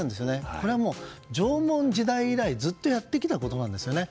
これは縄文時代以来ずっとやってきたことなんですよね。